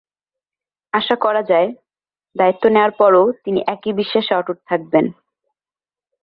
আশা করা যায়, দায়িত্ব নেওয়ার পরও তিনি একই বিশ্বাসে অটুট থাকবেন।